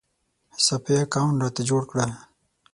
حساب پې اکاونټ راته جوړ کړه